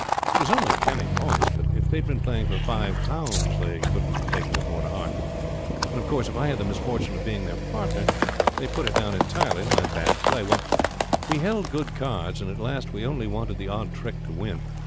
"It was only penny points, but if they had been playing for five pounds they couldn't have taken it more to heart; and of course if I had the misfortune of being their partner they put it down entirely to my bad play. Well, we held good cards, and at last we only wanted the odd trick to win.